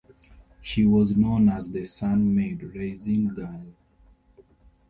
She was known as The Sun-Maid Raisin Girl.